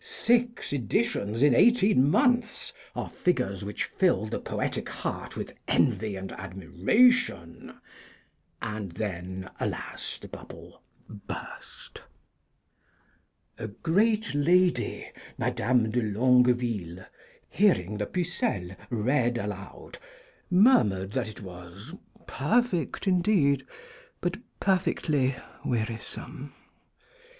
Six editions in eighteen months are figures which fill the poetic heart with envy and admiration. And then, alas! the bubble burst. A great lady, Madame de Longveille, hearing the 'Pucellé read aloud, murmured that it was 'perfect indeed, but perfectly wearisome.'